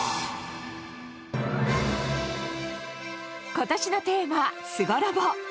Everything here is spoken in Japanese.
今年のテーマ「すごロボ」。